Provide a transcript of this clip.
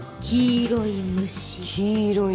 黄色い虫。